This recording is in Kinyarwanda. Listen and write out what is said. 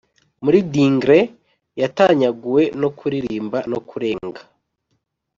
muri dingle yatanyaguwe no kuririmba no kurenga